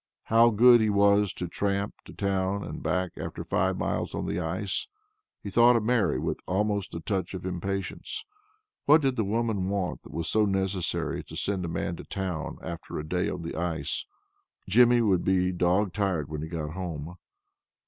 How good he was to tramp to town and back after five miles on the ice. He thought of Mary with almost a touch of impatience. What did the woman want that was so necessary as to send a man to town after a day on the ice? Jimmy would be dog tired when he got home.